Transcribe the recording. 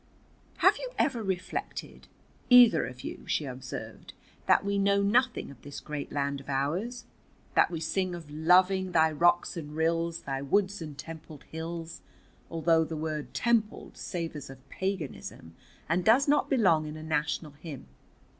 "Have you ever reflected, either of you," she observed, "that we know nothing of this great land of ours? That we sing of loving 'thy rocks and rills, thy woods and templed hills' although the word 'templed' savors of paganism and does not belong in a national hymn?